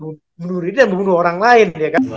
apalagi kalau bunuh diri dan bunuh orang lain